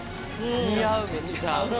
似合うめっちゃ。